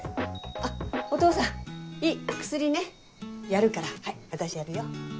あっお父さんいい薬ねやるからはい私やるよ。